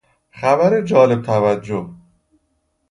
خبر جالب توجه